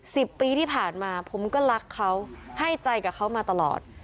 สิบปีที่ผ่านมาผมก็รักเขาให้ใจกับเขามาตลอด